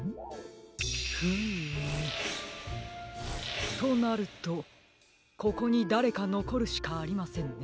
フームとなるとここにだれかのこるしかありませんね。